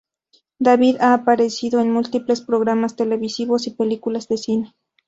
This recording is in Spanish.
David ha aparecido en múltiples programas televisivos y películas de cine.